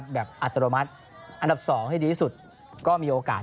อัตโนมัติอันดับ๒ให้ดีที่สุดก็มีโอกาส